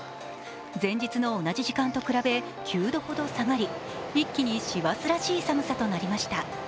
前日の同じ時間と比べ９度ほど下がり、一気に師走らしい寒さとなりました。